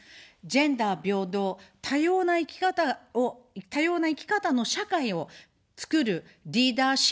ジェンダー平等、多様な生き方を、多様な生き方の社会を作るリーダーシップを取っていきます。